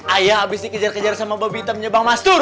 ayah abis dikejar kejar sama babi hitamnya bang mastur